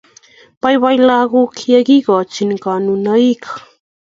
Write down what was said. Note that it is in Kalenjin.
Baibai lagok ya kikochi konunoik